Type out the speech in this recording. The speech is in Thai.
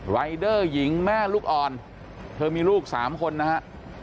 รายเดอร์หญิงแม่ลูกอ่อนเธอมีลูก๓คนนะฮะ